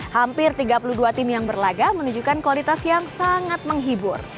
hampir tiga puluh dua tim yang berlaga menunjukkan kualitas yang sangat menghibur